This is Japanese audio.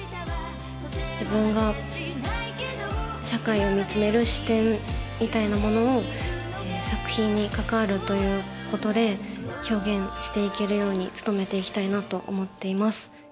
自分が社会を見つめる視点みたいなものを、作品に関わるということで、表現していけるように努めていきたいなと思っています。